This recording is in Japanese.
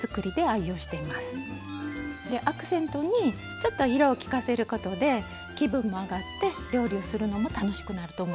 アクセントにちょっと色をきかせることで気分も上がって料理をするのも楽しくなると思います。